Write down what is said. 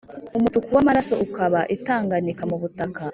Umutuku w'amaraso uba itanganika mu butaka